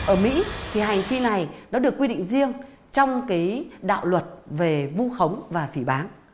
ở mỹ thì hành vi này nó được quy định riêng trong cái đạo luật về vu khống và phỉ bán